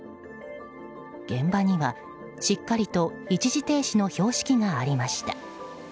現場にはしっかりと一時停止の標識がありました。